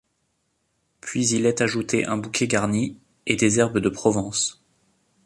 Puis il est ajouté un bouquet garni et des herbes de Provence.